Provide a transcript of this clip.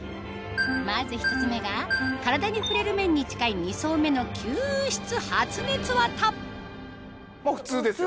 まず１つ目が体に触れる面に近い２層目の吸湿発熱わた普通ですよね。